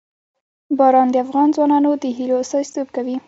باران د افغان ځوانانو د هیلو استازیتوب کوي.